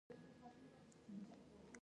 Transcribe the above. تاسو په ډېره میړانه ترسره کړ